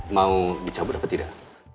mau dicabut apa tidak